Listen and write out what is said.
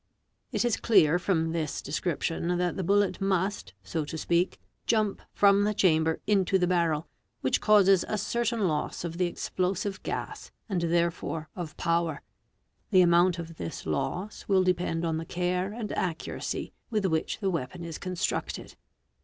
— It is clear from this description that the bullet must, so to speak, jump from the chamber into the barrel, which causes a certain loss of the explosive gas and therefore of power; the amount of this loss will depend on the care and accuracy with which the weapon is constructed.